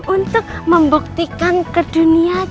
untuk membuktikan ke dunia